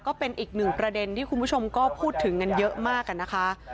ก็เป็นอีกหนึ่งประเด็นที่คุณผู้ชมก็พูดถึงกันเยอะมากนะคะ